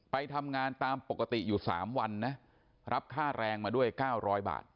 ไปทำงานตามปกติอยู่๓วันนะรับค่าแรงมาด้วย๙๐๐บาท